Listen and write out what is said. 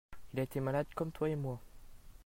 Il a été malade comme toi et moi.